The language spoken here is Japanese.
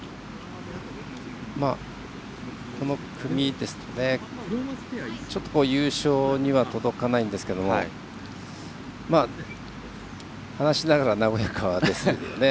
この組ですとちょっと優勝には届かないんですけど話しながら和やかですよね。